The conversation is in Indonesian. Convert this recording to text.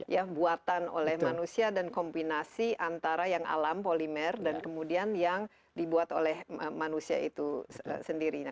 ya buatan oleh manusia dan kombinasi antara yang alam polimer dan kemudian yang dibuat oleh manusia itu sendiri